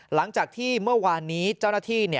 หลังจากที่เมื่อวานนี้เจ้าหน้าที่